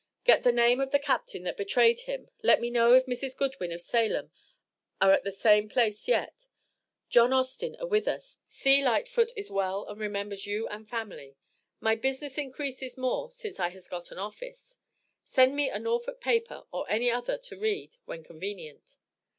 Get the Name of the Capt. that betrayed him let me know if Mrs. Goodwin of Salem are at the same place yet John Austin are with us. C. Lightfoot is well and remembers you and family. My business increases more since I has got an office. Send me a Norfolk Paper or any other to read when convenient.